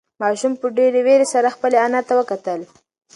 ماشوم په ډېرې وېرې سره خپلې انا ته وکتل.